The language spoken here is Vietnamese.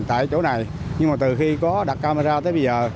tại chỗ này nhưng mà từ khi có đặt camera tới bây giờ